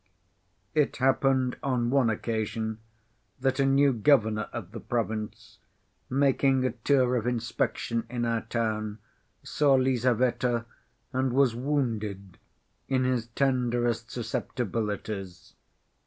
It happened on one occasion that a new governor of the province, making a tour of inspection in our town, saw Lizaveta, and was wounded in his tenderest susceptibilities.